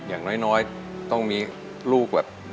อย่างน้อยต้องมีลูกแบบ